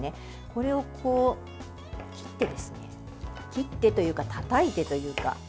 これを切ってというかたたいてというか。